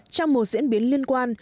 trong một diễn biến liên quan